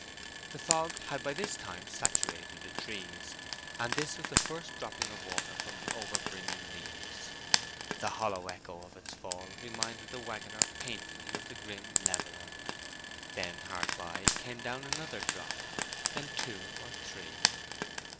The fog had by this time saturated the trees, and this was the first dropping of water from the overbrimming leaves. The hollow echo of its fall reminded the waggoner painfully of the grim Leveller. Then hard by came down another drop, then two or three.